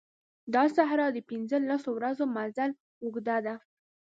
دا صحرا د پنځه لسو ورځو مزل اوږده ده.